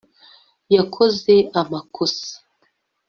yakoze amakosa